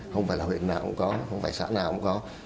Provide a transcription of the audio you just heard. không phải là huyện nào cũng có không phải xã nào cũng có